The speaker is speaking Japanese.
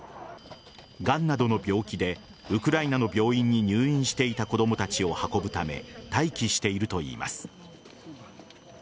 がんなどの病気でウクライナの病院に入院していた子供たちを運ぶため待機しているといいます。